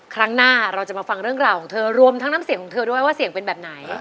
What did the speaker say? ครั้งหน้าเราจะมาฟังเรื่องราวของเธอรวมทั้งน้ำเสียงของเธอด้วยว่าเสียงเป็นแบบไหน